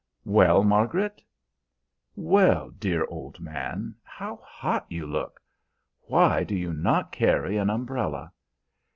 "Well, Margaret?" "Well, dear old man! How hot you look! Why do you not carry an umbrella?"